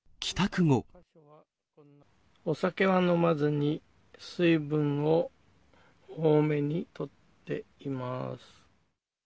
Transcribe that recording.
お酒は飲まずに、水分を多めにとっています。